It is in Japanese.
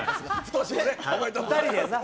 ２人でな。